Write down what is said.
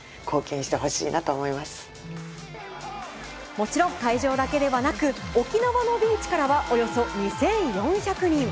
もちろん会場だけではなく沖縄のビーチからはおよそ２４００人。